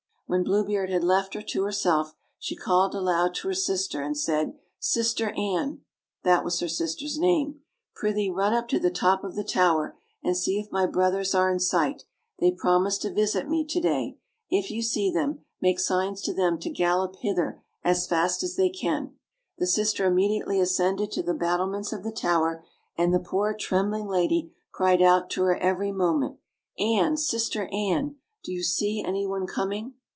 When Blue Beard had left her to herself, she called aloud to her sister, and said, "Sister Anne" (that was her sister's name), "prithee run up to the top of the tower and see if my brothers are in sight; they promised to visit me to day. If you see them, make signs to them to gallop hither as fast as they can." The sister immediately ascended to the battlements of ihe toiver, and the poor trembling lady cried out to her every moment: "Anne! Sister Anne! Do you see any one coming?"